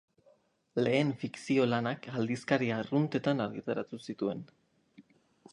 Lehen fikzio-lanak aldizkari arruntetan argitaratu zituen.